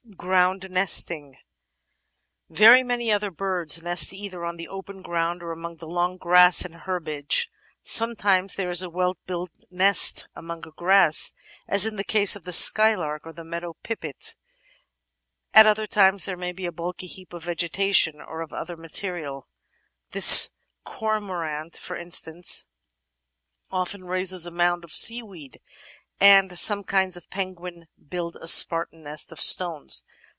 Ground Nesting Very many other birds nest either on the open ground or among the long grass and herbage. Sometimes there is a well Natural Histoty 441 built nest among grass, as in the case of the Skylark or the Meadow Pipit; at other times there may be a bulky heap of vegetation or of other material; the Cormorant, for instance, often raises a mound of seaweed, and some kinds of Penguin build a Spartan nest of stones.